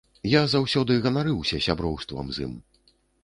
Я заўсёды ганарыўся сяброўствам з ім.